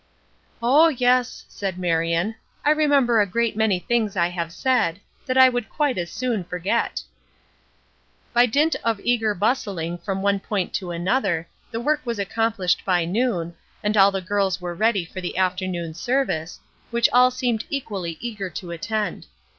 "Oh, yes," said Marion. "I remember a great many things I have said, that I would quite as soon forget." By dint of eager bustling from one point to another, the work was accomplished by noon, and all the girls were ready for the afternoon service, which all seemed equally eager to attend.